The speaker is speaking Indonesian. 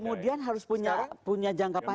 kemudian harus punya jangka panjang